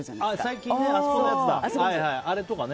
最近ね、あそこのやつね。